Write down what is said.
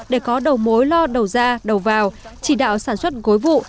để có đầu mối lo đầu ra đầu vào chỉ đạo sản xuất gối vụ